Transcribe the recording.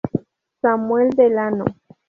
Samuel Delano.